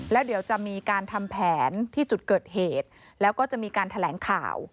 แล้วเดี๋ยวจะมีการทำแผนที่จุดเกิดเหตุแล้วก็จะมีการแถลงข่าว